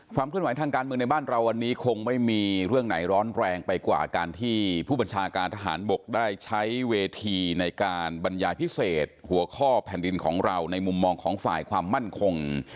ความเคลื่อนไหวทางการเมืองในบ้านเราวันนี้คงไม่มีเรื่องไหนร้อนแรงไปกว่าการที่ผู้บัญชาการทหารบกได้ใช้เวทีในการบรรยายพิเศษหัวข้อแผ่นดินของเราในมุมมองของฝ่ายความมั่นคง